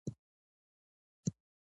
د کلي شااوخوا خلک د فصلونو په کرلو بوخت دي.